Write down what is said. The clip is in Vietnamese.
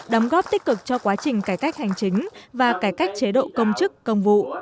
đóng góp tích cực cho quá trình cải cách hành chính và cải cách chế độ công chức công vụ